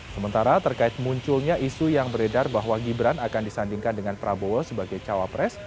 sementara terkait munculnya isu yang beredar bahwa gibran akan disandingkan dengan prabowo sebagai cawapres